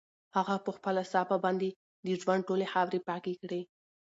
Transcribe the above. هغه په خپله صافه باندې د ژوند ټولې خاورې پاکې کړې.